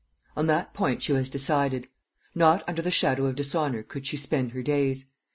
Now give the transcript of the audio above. On that point she was decided. Not under the shadow of dishonour could she spend her days.